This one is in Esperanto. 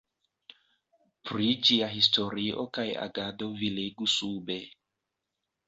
Pri ĝia historio kaj agado vi legu sube.